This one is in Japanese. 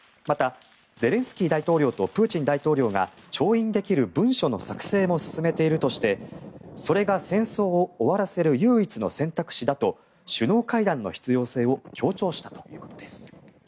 また、ゼレンスキー大統領とプーチン大統領が調印できる文書の作成も進めているとしてそれが戦争を終わらせる唯一の選択肢だと首脳会談の必要性を強調したということです。